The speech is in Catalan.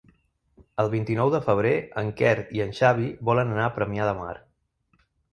El vint-i-nou de febrer en Quer i en Xavi volen anar a Premià de Mar.